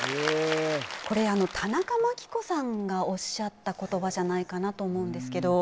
これ田中眞紀子さんがおっしゃった言葉じゃないかなと思うんですけど